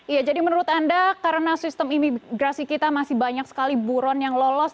iya jadi menurut anda karena sistem imigrasi kita masih banyak sekali buron yang lolos